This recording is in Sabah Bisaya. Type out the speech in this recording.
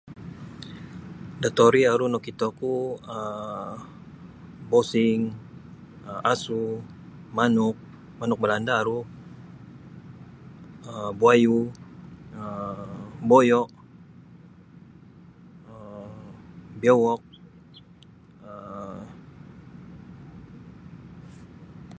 Da tauri aru nakitoku um bosing um asu, manuk, manuk, manuk Belanda aru um buayu, boyo, biawak um